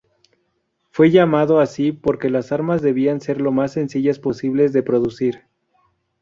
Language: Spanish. Fue llamado así, porque las armas debían ser lo más sencillas posibles de producir.